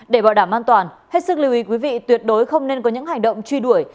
để bảo đảm an toàn hết sức lưu ý quý vị tuyệt đối không nên có những hành động truy đuổi